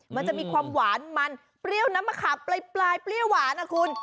มันจะมีความหวานมันเปรี้ยวน้ำมะขามปลายเปรี้ยวหวานนะคุณ